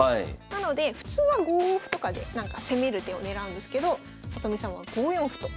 なので普通は５五歩とかで攻める手を狙うんですけど里見さんは５四歩と。